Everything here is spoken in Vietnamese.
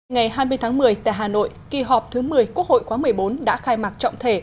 ngày hai mươi tháng một mươi tại hà nội kỳ họp thứ một mươi quốc hội khóa một mươi bốn đã khai mạc trọng thể